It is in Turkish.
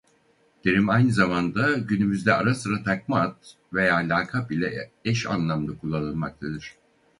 Terim aynı zamanda günümüzde ara sıra takma ad veya lakap ile eş anlamlı kullanılmaktadır.